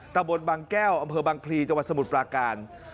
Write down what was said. ตะบนบางแก้วอำเภอบางพลีจังหวัดสมุทรปลาการ